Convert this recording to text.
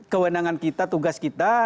kewenangan kita tugas kita